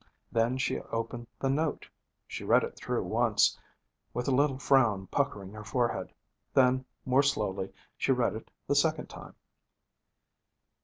Then she opened the note. She read it through once, with a little frown puckering her forehead. Then, more slowly, she read it the second time.